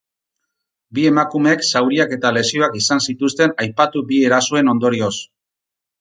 Bi emakumeek zauriak eta lesioak izan zituzten aipatu bi erasoen ondorioz.